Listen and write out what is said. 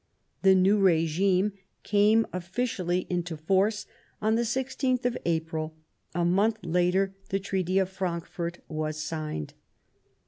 The new regime came officially into force on the i6th of April ; a month later, the Treaty of Frankfort was signed.